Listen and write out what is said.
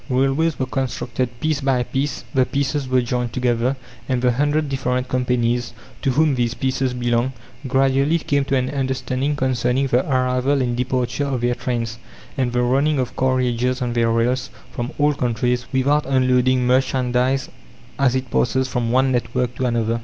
Railways were constructed piece by piece, the pieces were joined together, and the hundred different companies, to whom these pieces belonged, gradually came to an understanding concerning the arrival and departure of their trains, and the running of carriages on their rails, from all countries, without unloading merchandise as it passes from one network to another.